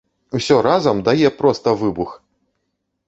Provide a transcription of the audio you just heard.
Усё разам дае проста выбух!